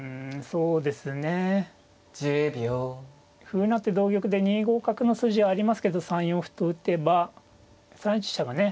歩成って同玉で２五角の筋はありますけど３四歩と打てば３一飛車がね